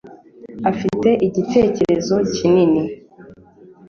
afite igitero kinini